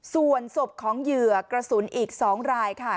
ส่วนศพของเหยื่อกระสุนอีก๒รายค่ะ